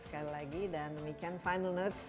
sekali lagi dan demikian final notes